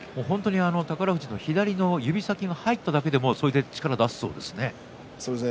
宝富士の指先が入っただけでそれで力を出すそうですね。